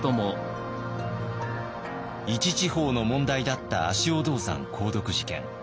一地方の問題だった足尾銅山鉱毒事件。